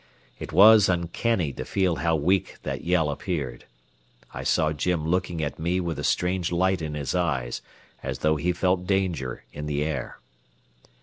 It was uncanny to feel how weak that yell appeared. I saw Jim looking at me with a strange light in his eyes as though he felt danger in the air.